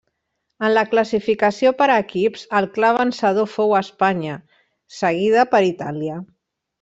En la classificació per equips el clar vencedor fou Espanya, seguida per Itàlia.